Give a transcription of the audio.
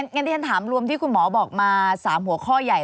งั้นที่ฉันถามรวมที่คุณหมอบอกมา๓หัวข้อใหญ่